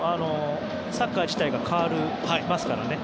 サッカー自体が変わりますからね。